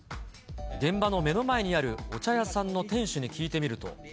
現場の目の前にあるお茶屋さんの店主に聞いてみると。